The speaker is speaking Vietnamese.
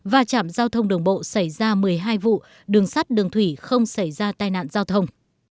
và chạm giao thông đường bộ xảy ra một mươi hai vụ đường sắt đường thủy không xảy ra tai nạn giao thông